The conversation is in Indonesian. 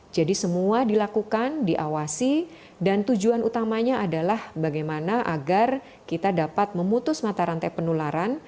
jadi semua dilakukan diawasi dan tujuan utamanya adalah bagaimana agar kita dapat memutus mata rantai penularan